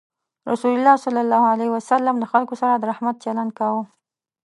رسول الله صلى الله عليه وسلم د خلکو سره د رحمت چلند کاوه.